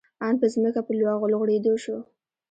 آن په ځمکه په لوغړېدو شو.